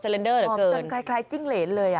ออกจนคล้ายจิ้งเหรนเลย